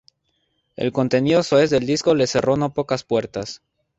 El contenido soez del disco le cerró no pocas puertas.